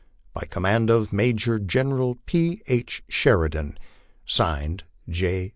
By command of Major General P. n. SHERIDAN. (Signed) J.